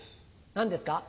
何ですか？